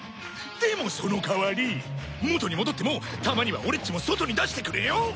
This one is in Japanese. でもその代わり元に戻ってもたまには俺っちも外に出してくれよ。